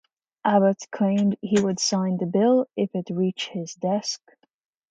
Abbott claimed he would sign the bill if it reached his desk.